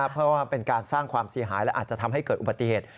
เพราะว่าเป็นการสร้างความเสียหายและอาจจะทำให้เกิดอุบัติเหตุ